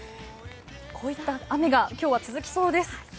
こういった雨が今日は続きそうです。